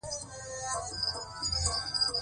خان زمان وویل: ولې نه؟